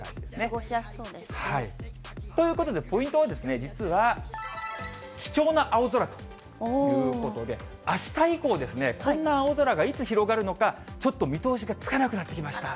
過ごしやすそうですね。ということで、ポイントは、実は、貴重な青空ということで、あした以降ですね、こんな青空がいつ広がるのか、ちょっと見通しがつかなくなってきました。